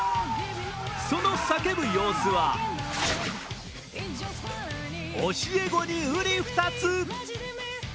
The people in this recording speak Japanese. その叫ぶ様子は教え子にうり二つ。